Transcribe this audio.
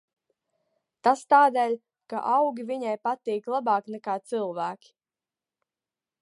Tas tādēļ, ka augi viņai patīk labāk nekā cilvēki.